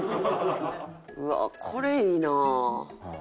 うわっこれいいな。